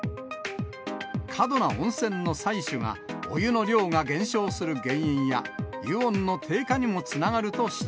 過度な温泉の採取が、お湯の量が減少する原因や、湯温の低下にもつながると指摘。